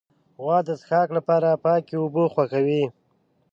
غوا د څښاک لپاره پاکې اوبه خوښوي.